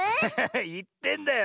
いってんだよ。